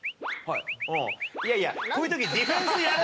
いやいやこういう時。